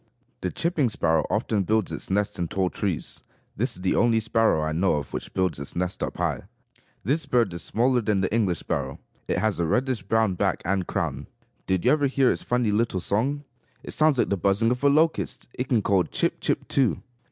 The chipping sparrow often builds its nest in tall trees. This is the only sparrow I know of, which builds its nest up high. This bird is smaller than the English sparrow. It has a reddish brown back and crown. Did you ever hear its funny little song? It sounds like the buzzing of a locust. It can call, chip! chip! too.